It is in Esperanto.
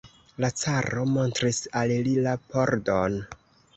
La caro montris al li la pordon.